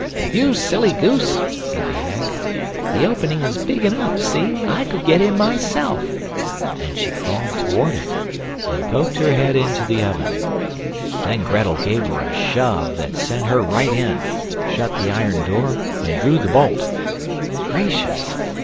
"You silly goose!" said the hag, "the opening is big enough; see, I could get in myself," and she crawled toward it, and poked her head into the oven. Then Grettel gave her a shove that sent her right in, shut the iron door, and drew the bolt. Gracious!